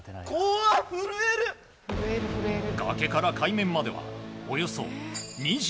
崖から海面まではおよそ２２ｍ。